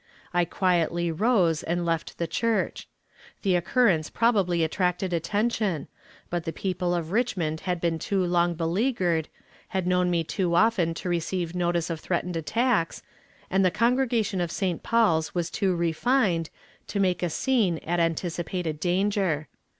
I quietly rose and left the church. The occurrence probably attracted attention, but the people of Richmond had been too long beleaguered, had known me too often to receive notice of threatened attacks, and the congregation of St. Paul's was too refined, to make a scene at anticipated danger.